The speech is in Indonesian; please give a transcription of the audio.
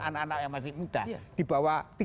anak anak yang masih muda di bawah